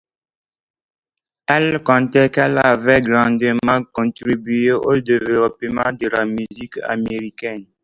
Elle sentait qu'elle avait grandement contribué au développement de la musique américaine.